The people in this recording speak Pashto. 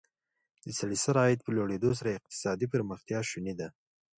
د سړي سر عاید په لوړېدو سره اقتصادي پرمختیا شونې ده.